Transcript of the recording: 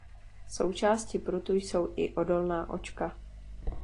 Součástí prutu jsou i odolná očka.